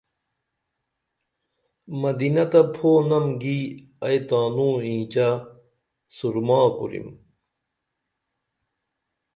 مدینہ تہ پُھونم گی ائی تانوں اینچہ سُرما کوریم